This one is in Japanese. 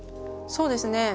そうですね。